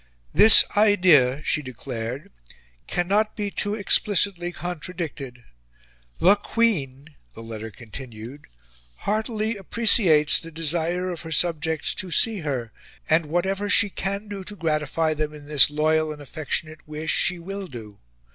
"This idea," she declared, "cannot be too explicitly contradicted. The Queen," the letter continued, "heartily appreciates the desire of her subjects to see her, and whatever she CAN do to gratify them in this loyal and affectionate wish, she WILL do...